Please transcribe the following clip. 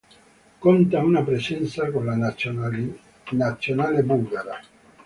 Conta una presenza con la nazionale bulgara.